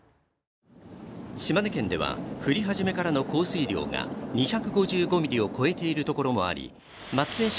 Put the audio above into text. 島根県では、降り始めからの降水量が２５５ミリを超えているところもあり松江市